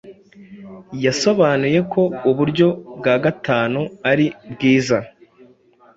yasobanuye ko uburyo bwa gatanuari bwiza